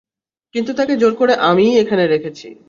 তোকে কিন্তু জোর করে আমিই এখানে রেখেছি!